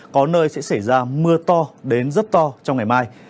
có nơi sẽ xảy ra mưa to đến rất to trong ngày mai